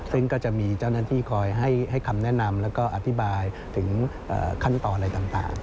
ซึ่งก็จะมีเจ้าหน้าที่คอยให้คำแนะนำแล้วก็อธิบายถึงขั้นตอนอะไรต่าง